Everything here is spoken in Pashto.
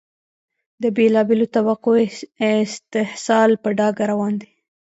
د بېلا بېلو طبقو استحصال په ډاګه روان دی.